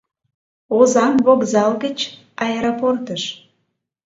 Озаҥ вокзал гыч — аэропортыш.